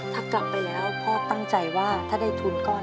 ถ้ากลับไปแล้วพ่อตั้งใจว่าถ้าได้ทุนก้อน